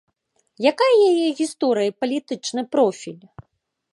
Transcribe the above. Якая яе гісторыя і палітычны профіль?